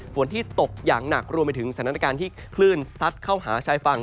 ฝนที่ตกอย่างหนักรวมไปถึงสถานการณ์ที่คลื่นซัดเข้าหาชายฝั่ง